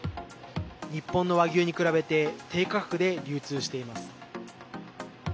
日本の和牛に比べて低価格で流通しています。